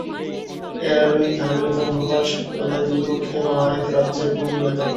এরই ধারাবাহিকতায় মঙ্গলবার সকালে দুই পক্ষের মারামারিতে রাজ্জাক নূর নিহত হন।